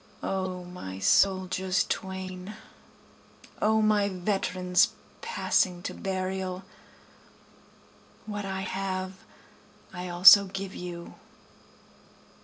O my soldiers twain! O my veterans passing to burial! What I have I also give you.